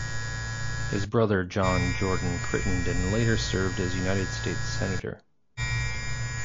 His brother John Jordan Crittenden later served as United States Senator.